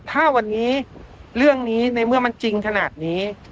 ถ้าวันนี้เรื่องนี้ในเมื่อมันจริงขนาดนี้